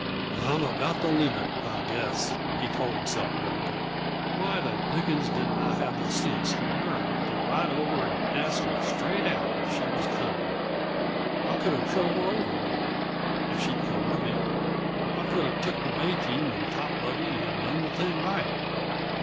"I'm about the limit, I guess," he told himself irritably. "Why the dickens didn't I have the sense and nerve to ride over and ask her straight out if she was coming? I coulda drove her over, maybe if she'd come with me. I coulda took the bay team and top buggy, and done the thing right.